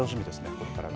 これからが。